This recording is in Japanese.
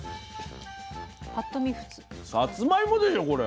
さつまいもでしょこれ。